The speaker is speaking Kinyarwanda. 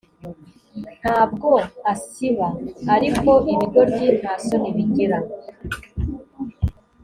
ntabwo asiba ariko ibigoryi nta soni bigira